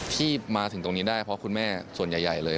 ที่มาถึงตรงนี้ได้เพราะคุณแม่ส่วนใหญ่เลย